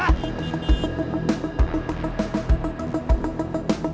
gak ada yang mau ngomong